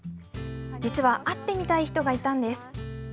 実は会ってみたい人がいたんです。